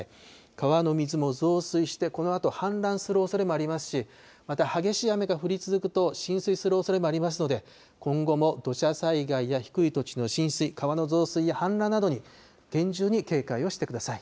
川の水も増水して、このあと氾濫するおそれもありますし、また、激しい雨が降り続くと浸水するおそれもありますので、今後も土砂災害や低い土地の浸水、川の増水や氾濫などに厳重に警戒をしてください。